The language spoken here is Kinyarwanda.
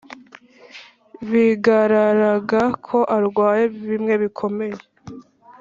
bigararaga ko arwaye bimwe bikomeye,